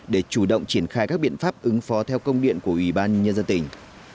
để chủ động triển khai các biện pháp ứng phó theo công điện của ủy ban nhân dân tỉnh